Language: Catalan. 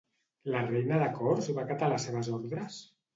La Reina de Cors va acatar les seves ordres?